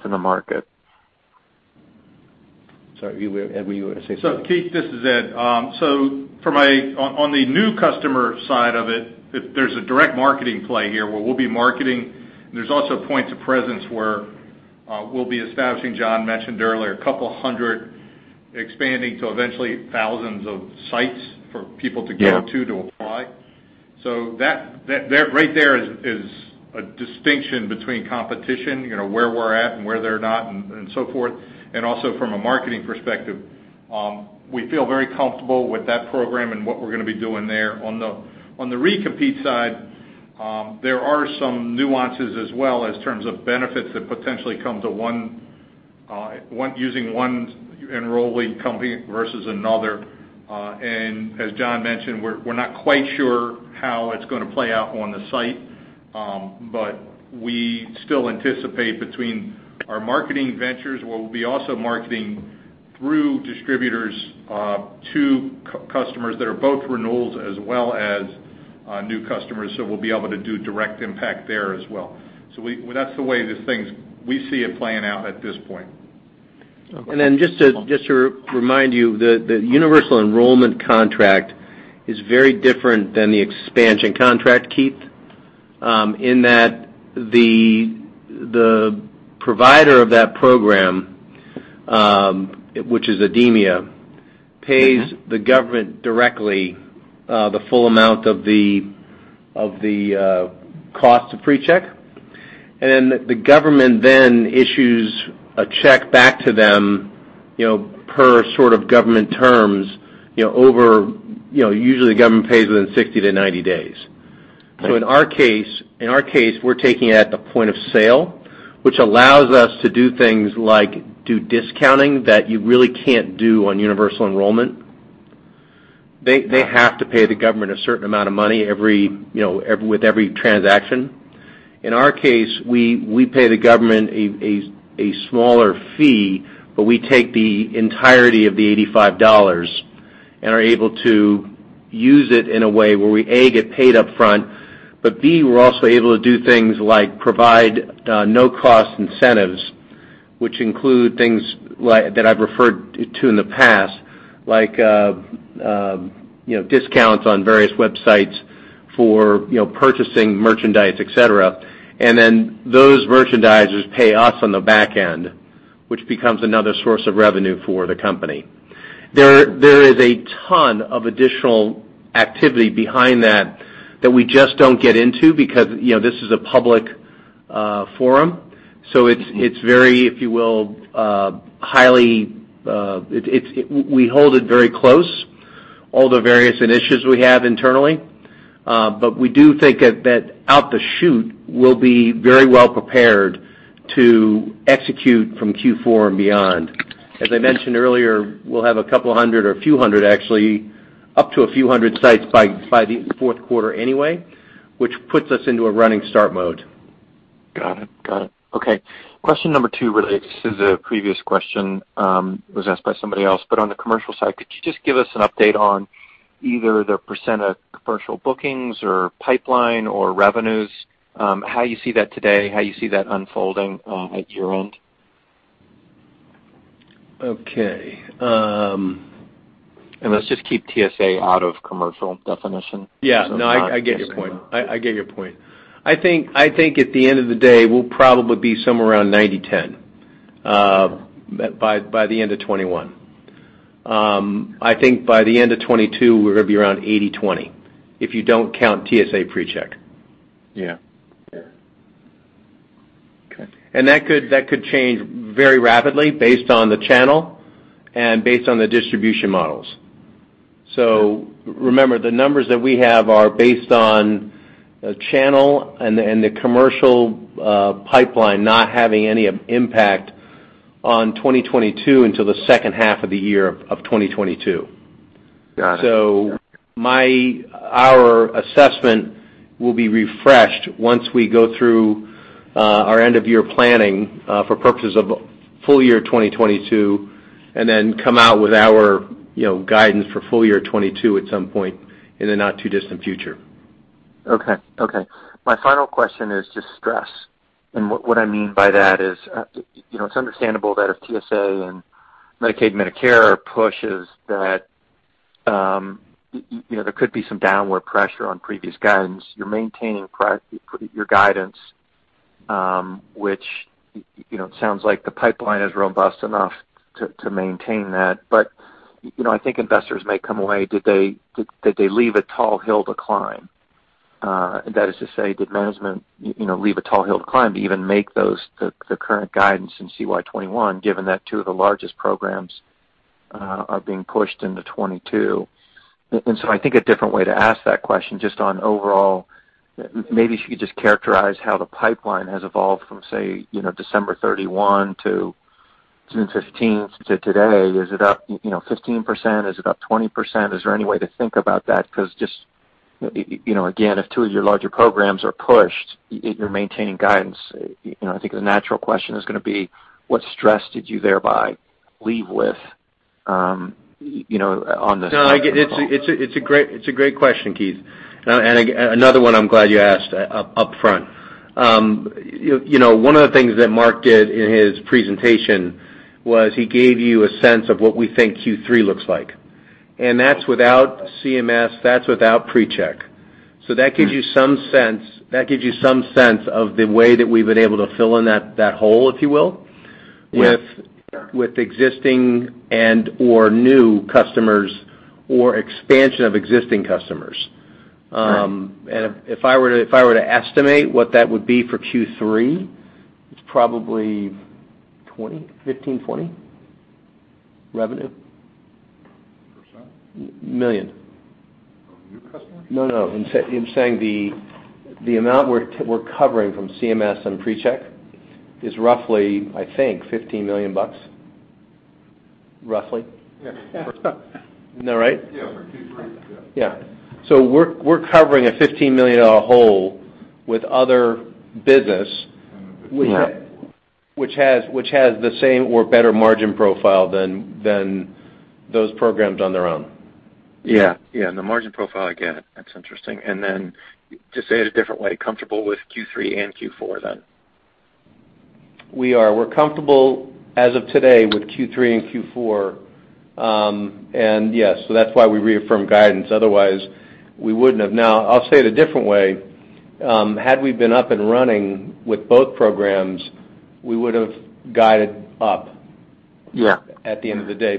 in the market? Sorry, Ed, were you going to say something? Keith, this is Ed. On the new customer side of it, there's a direct marketing play here where we'll be marketing, and there's also points of presence where we'll be establishing, John mentioned earlier, 200, expanding to eventually thousands of sites for people to go to apply. Yeah. That right there is a distinction between competition, where we're at and where they're not and so forth. Also from a marketing perspective, we feel very comfortable with that program and what we're going to be doing there. On the recompete side, there are some nuances as well in terms of benefits that potentially come to using one enrolling company versus another. As John mentioned, we're not quite sure how it's going to play out on the site. We still anticipate between our marketing ventures, where we'll be also marketing through distributors to customers that are both renewals as well as new customers, so we'll be able to do direct impact there as well. That's the way we see it playing out at this point. Okay. Just to remind you, the Universal Enrollment contract is very different than the expansion contract, Keith, in that the provider of that program, which is IDEMIA, pays the government directly the full amount of the cost of PreCheck, and then the government then issues a check back to them, per government terms, usually the government pays within 60-90 days. Right. In our case, we're taking it at the point of sale, which allows us to do things like do discounting that you really can't do on Universal Enrollment. They have to pay the government a certain amount of money with every transaction. In our case, we pay the government a smaller fee, but we take the entirety of the $85 and are able to use it in a way where we, A, get paid upfront, but B, we're also able to do things like provide no-cost incentives, which include things that I've referred to in the past, like discounts on various websites for purchasing merchandise, et cetera. Those merchandisers pay us on the back end, which becomes another source of revenue for the company. There is a ton of additional activity behind that we just don't get into because this is a public forum, so we hold it very close, all the various initiatives we have internally. We do think that out the chute, we'll be very well prepared to execute from Q4 and beyond. As I mentioned earlier, we'll have a couple of hundred or a few hundred actually, up to a few hundred sites by the fourth quarter anyway, which puts us into a running start mode. Got it. Okay. Question number two relates to the previous question, it was asked by somebody else. On the commercial side, could you just give us an update on either the percentage of commercial bookings or pipeline or revenues, how you see that today, how you see that unfolding at year-end? Okay. Let's just keep TSA out of commercial definition. Yeah. No, I get your point. I think at the end of the day, we'll probably be somewhere around 90/10 by the end of 2021. I think by the end of 2022, we're going to be around 80/20, if you don't count TSA PreCheck. Yeah. Okay. That could change very rapidly based on the channel and based on the distribution models. Remember, the numbers that we have are based on the channel and the commercial pipeline not having any impact on 2022 until the second half of the year of 2022. Got it. Our assessment will be refreshed once we go through our end-of-year planning for purposes of full year 2022, and then come out with our guidance for full year 2022 at some point in the not too distant future. Okay. My final question is just stress. What I mean by that is, it's understandable that if TSA and Medicaid Medicare pushes that there could be some downward pressure on previous guidance. You're maintaining your guidance, which sounds like the pipeline is robust enough to maintain that. I think investors may come away. Did they leave a tall hill to climb? That is to say, did management leave a tall hill to climb to even make the current guidance in CY 2021, given that two of the largest programs are being pushed into 2022? I think a different way to ask that question just on overall, maybe if you could just characterize how the pipeline has evolved from, say, December 31 to June 15th to today. Is it up 15%? Is it up 20%? Is there any way to think about that? Because just, again, if two of your larger programs are pushed, you're maintaining guidance. I think the natural question is going to be, what stress did you thereby leave with on the- No, it's a great question, Keith. Another one I'm glad you asked upfront. One of the things that Mark did in his presentation was he gave you a sense of what we think Q3 looks like, and that's without CMS, that's without PreCheck. That gives you some sense of the way that we've been able to fill in that hole, if you will. Yeah. With existing and/or new customers or expansion of existing customers. Right. If I were to estimate what that would be for Q3, it's probably $20 million, $15 million-$20 million revenue. Percent? Million. From new customers? No, I'm saying the amount we're covering from CMS and PreCheck is roughly, I think, $15 million. Roughly. Yes. Isn't that right? Yeah, for Q3. Yeah. Yeah. We're covering a $15 million hole with other business which has- Right. Which has the same or better margin profile than those programs on their own. Yeah. The margin profile, I get it. That's interesting. To say it a different way, comfortable with Q3 and Q4 then? We are. We're comfortable as of today with Q3 and Q4. Yes, that's why we reaffirmed guidance, otherwise we wouldn't have. Now, I'll say it a different way. Had we been up and running with both programs, we would've guided up- Yeah. At the end of the day.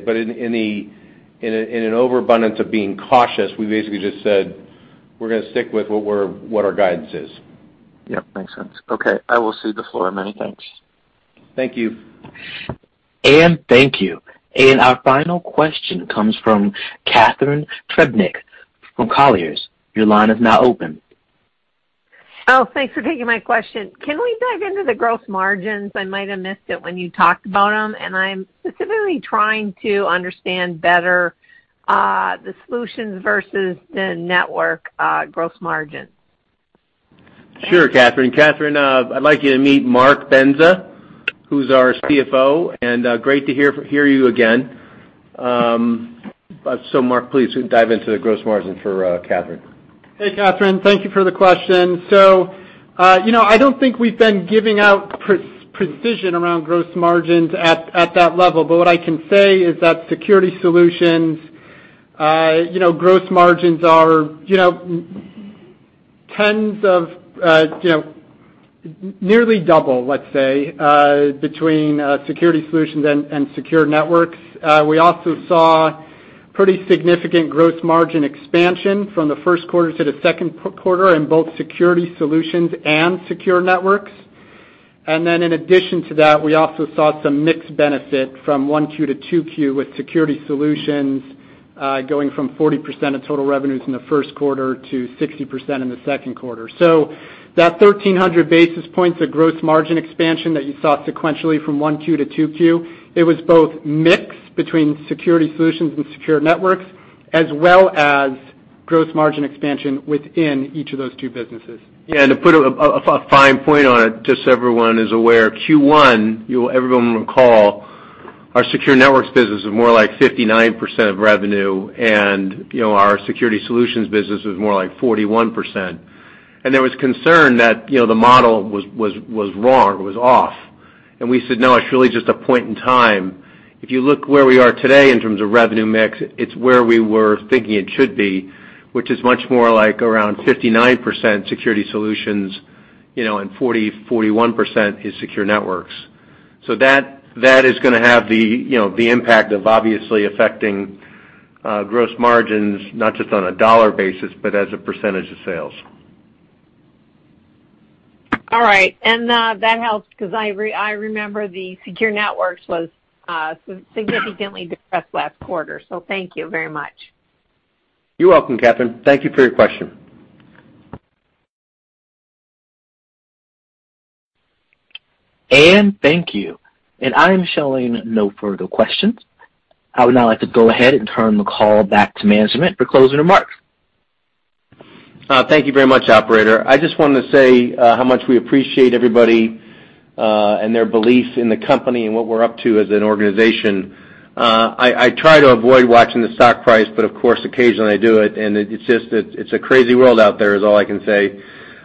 In an overabundance of being cautious, we basically just said we're going to stick with what our guidance is. Yep, makes sense. Okay, I will cede the floor. Many thanks. Thank you. Thank you. Our final question comes from Catharine Trebnick from Colliers. Thanks for taking my question. Can we dive into the gross margins? I might have missed it when you talked about them, and I'm specifically trying to understand better the solutions versus the network gross margin. Sure, Catharine. Catharine, I'd like you to meet Mark Bendza, who's our CFO, and great to hear from you again. Mark, please dive into the gross margin for Catharine. Hey, Catharine. Thank you for the question. I don't think we've been giving out precision around gross margins at that level. What I can say is that Security Solutions' gross margins are nearly double, let's say, between Security Solutions and Secure Networks. We also saw pretty significant gross margin expansion from the first quarter to the second quarter in both Security Solutions and Secure Networks. In addition to that, we also saw some mix benefit from 1Q to 2Q with Security Solutions, going from 40% of total revenues in the first quarter to 60% in the second quarter. That 1,300 basis points of gross margin expansion that you saw sequentially from 1Q to 2Q, it was both mix between Security Solutions and Secure Networks, as well as gross margin expansion within each of those two businesses. Yeah, to put a fine point on it, just so everyone is aware, Q1, everyone will recall our Secure Networks business was more like 59% of revenue, our Security Solutions business was more like 41%. There was concern that the model was wrong, it was off. We said, "No, it's really just a point in time." If you look where we are today in terms of revenue mix, it's where we were thinking it should be, which is much more like around 59% Security Solutions, 40%-41% is Secure Networks. That is going to have the impact of obviously affecting gross margins, not just on a dollar basis, but as a percentage of sales. All right. That helps because I remember that Secure Networks was significantly depressed last quarter. Thank you very much. You're welcome, Catharine. Thank you for your question. Thank you. I'm showing no further questions. I would now like to go ahead and turn the call back to management for closing remarks. Thank you very much, operator. I just wanted to say how much we appreciate everybody, and their belief in the company and what we're up to as an organization. I try to avoid watching the stock price, of course, occasionally I do it's a crazy world out there is all I can say.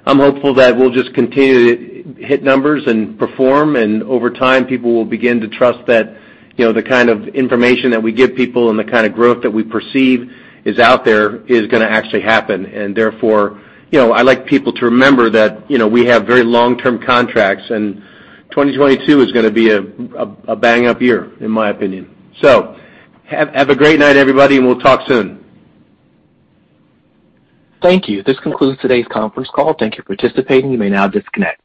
I'm hopeful that we'll just continue to hit numbers and perform, over time, people will begin to trust that the kind of information that we give people and the kind of growth that we perceive is out there is going to actually happen. Therefore, I like people to remember that we have very long-term contracts, 2022 is going to be a bang-up year, in my opinion. Have a great night, everybody, we'll talk soon. Thank you. This concludes today's conference call. Thank you for participating. You may now disconnect.